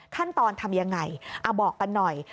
ขั้นตอนทำยังไงบอกกันหน่อย